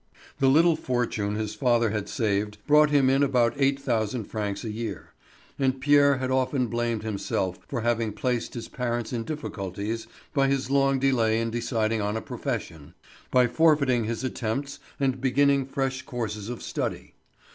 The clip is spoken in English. The little fortune his father had saved brought him in about eight thousand francs a year, and Pierre had often blamed himself for having placed his parents in difficulties by his long delay in deciding on a profession, by forfeiting his attempts and beginning fresh courses of study.